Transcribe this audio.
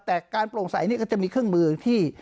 แต่การโปร่งใสนี่ก็จะมีเครื่องมือที่